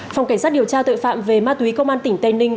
phòng cảnh sát điều tra tội phạm về ma túy công an tỉnh tây ninh